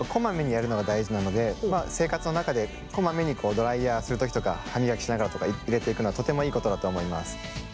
生活の中でこまめにドライヤーする時とか歯磨きしながらとか入れていくのはとてもいいことだと思います。